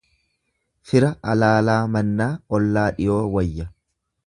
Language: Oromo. Fira alaalaa mannaa ollaa dhiyoo wayya.